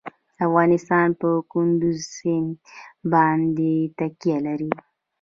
افغانستان په کندز سیند باندې تکیه لري.